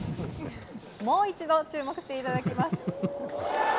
もう一度注目してもらいます。